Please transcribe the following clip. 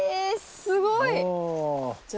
すごい。お。